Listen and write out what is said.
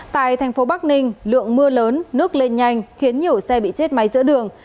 tại thành phố bắc ninh lượng mưa lớn nước lên nhanh khiến nhiều xe bị chết máy giữa đường